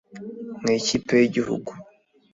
Mu ikipe y’Igihugu